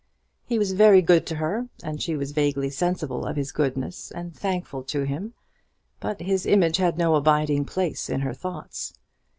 He was very good to her, and she was vaguely sensible of his goodness, and thankful to him. But his image had no abiding place in her thoughts.